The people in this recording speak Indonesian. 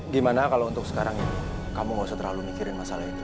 gimana kalau untuk sekarang ini kamu gak usah terlalu mikirin masalah itu